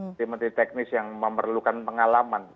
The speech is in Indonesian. menteri menteri teknis yang memerlukan pengalaman